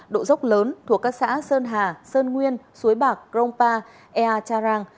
độ dốc lớn thuộc các xã sơn hà sơn nguyên suối bạc grongpa ea charang